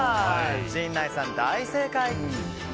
陣内さん、大正解！